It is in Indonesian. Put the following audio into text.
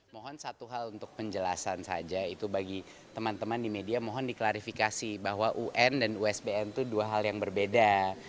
mohon satu hal untuk penjelasan saja itu bagi teman teman di media mohon diklarifikasi bahwa un dan usbn itu dua hal yang berbeda